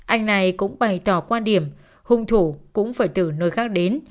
anh này cũng bày tỏ quan điểm hung thủ cũng phải từ nơi khác đến